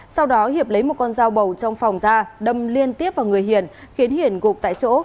sau đó hiệp lấy một con dao bầu trong phòng ra đâm liên tiếp vào người hiền khiến hiển gục tại chỗ